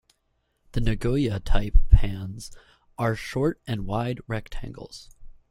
The Nagoya-type pans are short-and-wide rectangles.